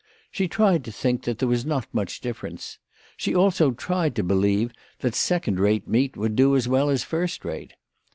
She tried to think that there was not much difference. She almost tried to believe that second rate meat would do as well as first rate.